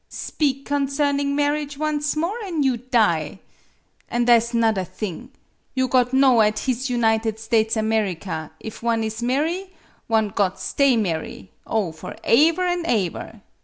" Speak concerning marriage once more, an' you die. An' tha' 's 'nother thing. You got know at his United States America, if one is marry one got stay marry oh, for aever an' aever!